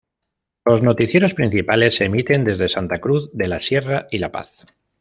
Los noticieros principales se emiten desde Santa Cruz de la Sierra y La Paz.